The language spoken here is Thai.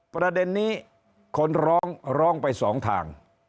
ประเด็นนี้คนร้องร้องไปสองทาง